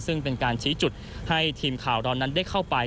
ซึ่งเป็นการชี้จุดให้ทีมข่าวเรานั้นได้เข้าไป